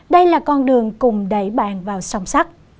đây là con đường cùng đẩy bạn vào song sắt